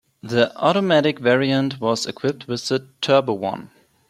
The automatic variant was equipped with the Turbo One.